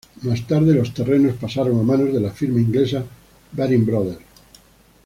Más tarde, los terrenos pasaron a manos de la firma inglesa Baring Brothers.